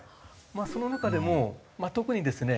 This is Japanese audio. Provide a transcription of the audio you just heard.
その中でも特にですね